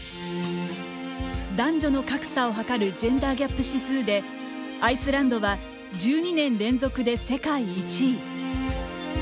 男女の格差を測るジェンダーギャップ指数でアイスランドは１２年連続で世界１位。